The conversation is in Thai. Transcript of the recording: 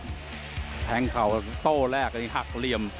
แพงแต่งเขาก็โต๊ะแรกนะหลักเหนียน